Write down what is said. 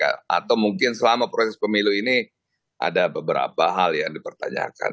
atau mungkin selama proses pemilu ini ada beberapa hal yang dipertanyakan